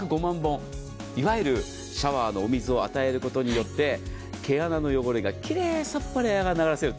いわゆるシャワーのお水を与えることによって毛穴の汚れが奇麗さっぱり洗い流せる。